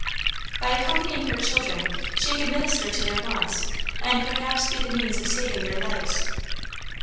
By accompanying her children she could minister to their wants and perhaps be the means of saving their lives.